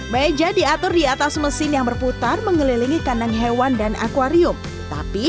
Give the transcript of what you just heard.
meja diatur di atas mesin yang berputar mengelilingi kandang hewan dan akwarium tapi